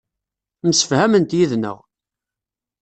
Msefhament yid-neɣ.